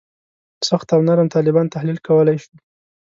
سخت او نرم طالبان تحلیل کولای شو.